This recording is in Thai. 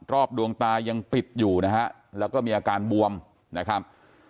ดวงตายังปิดอยู่นะฮะแล้วก็มีอาการบวมนะครับ